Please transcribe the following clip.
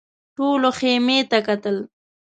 ټولو خيمې ته کتل.